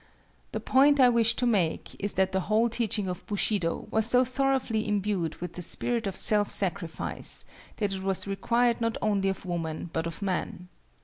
The point I wish to make is that the whole teaching of Bushido was so thoroughly imbued with the spirit of self sacrifice, that it was required not only of woman but of man.